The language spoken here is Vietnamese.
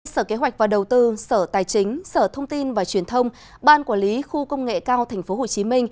sở kế hoạch và đầu tư sở tài chính sở thông tin và truyền thông ban quản lý khu công nghệ cao tp hcm